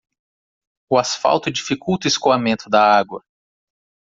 O asfalto dificulta o escoamento da água.